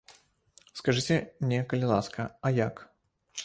Скажыце мне, калі ласка, а як?